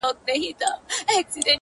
عمر تېر سو کفن کښ د خدای په کار سو.!